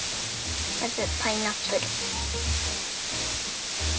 まずパイナップル。